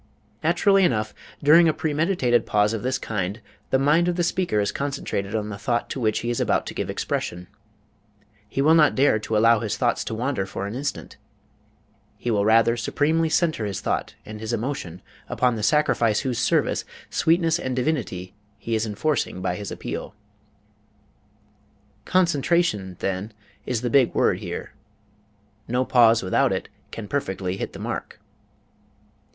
Naturally enough, during a premeditated pause of this kind the mind of the speaker is concentrated on the thought to which he is about to give expression. He will not dare to allow his thoughts to wander for an instant he will rather supremely center his thought and his emotion upon the sacrifice whose service, sweetness and divinity he is enforcing by his appeal. Concentration, then, is the big word here no pause without it can perfectly hit the mark.